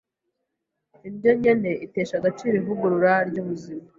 Indyo Nkene Itesha Agaciro Ivugurura ry’Ubuzima